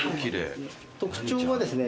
特徴はですね